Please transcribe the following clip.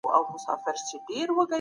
د عقیدې بدلول باید په قناعت وي.